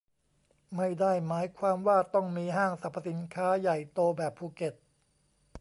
ไม่ได้หมายความว่าต้องมีห้างสรรพสินค้าใหญ่โตแบบภูเก็ต